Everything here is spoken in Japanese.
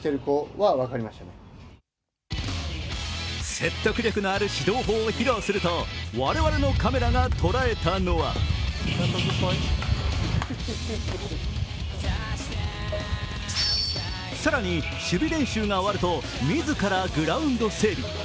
説得力のある指導法を披露すると我々のカメラが捉えたのは更に守備練習が終わると自らグラウンド整備。